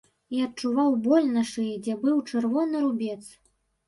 І адчуваў боль на шыі, дзе быў чырвоны рубец.